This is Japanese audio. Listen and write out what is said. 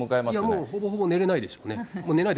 もうほぼほぼ寝れないでしょうね。